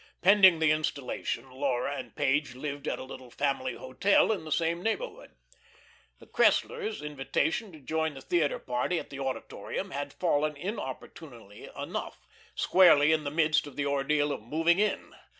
Pending the installation Laura and Page lived at a little family hotel in the same neighbourhood. The Cresslers' invitation to join the theatre party at the Auditorium had fallen inopportunely enough, squarely in the midst of the ordeal of moving in.